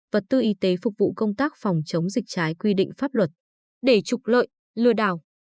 vật tư y tế phục vụ công tác phòng chống dịch trái quy định pháp luật để trục lợi lừa đảo